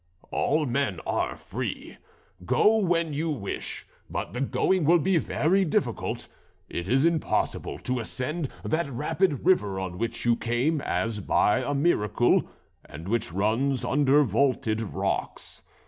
All men are free. Go when you wish, but the going will be very difficult. It is impossible to ascend that rapid river on which you came as by a miracle, and which runs under vaulted rocks.